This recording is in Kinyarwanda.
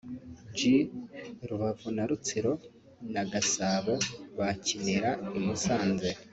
G (Rubavu na Rutsiro) na Gasabo bagakinira i Musanze